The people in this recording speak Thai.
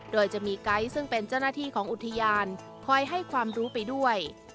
โดยจะมีไก๊ซึ่งเป็นเจ้าหน้าที่ของอุทยานคอยให้ความรู้ไปด้วย